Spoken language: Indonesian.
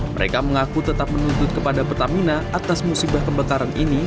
mereka mengaku tetap menuntut kepada pertamina atas musibah kebakaran ini